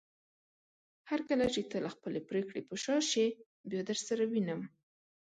هرکله چې ته له خپلې پریکړې په شا شې بيا درسره وينم